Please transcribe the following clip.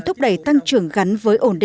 thúc đẩy tăng trưởng gắn và tăng trưởng gắn